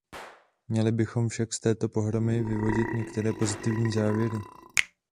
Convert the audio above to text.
Měli bychom však z této pohromy vyvodit některé pozitivní závěry.